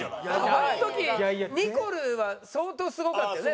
あの時ニコルは相当すごかったよね